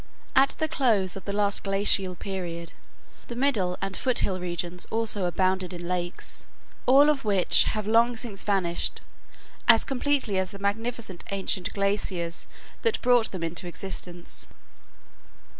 At the close of the last glacial period, the middle and foot hill regions also abounded in lakes, all of which have long since vanished as completely as the magnificent ancient glaciers that brought them into existence.